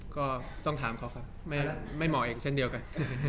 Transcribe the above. ก็ต้องถามเขาครับไม่เหมาะเองเช่นเดียวกัน